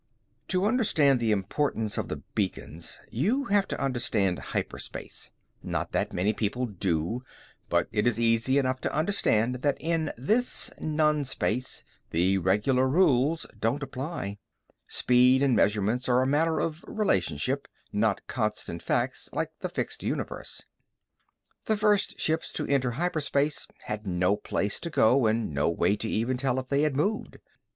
To understand the importance of the beacons, you have to understand hyperspace. Not that many people do, but it is easy enough to understand that in this non space the regular rules don't apply. Speed and measurements are a matter of relationship, not constant facts like the fixed universe. The first ships to enter hyperspace had no place to go and no way to even tell if they had moved.